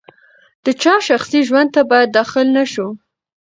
د چا شخصي ژوند ته باید داخل نه شو.